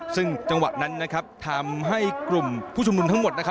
ซึ่งจังหวะนั้นทำให้กลุ่มผู้ชุมนุมทั้งหมด